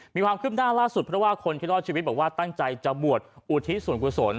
มีความคืบหน้าล่าสุดเพราะว่าคนที่รอดชีวิตบอกว่าตั้งใจจะบวชอุทิศส่วนกุศล